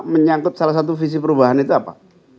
menyangkut salah satu visi perubahan itu apa